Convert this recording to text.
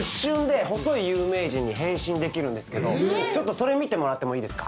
それ見てもらってもいいですか？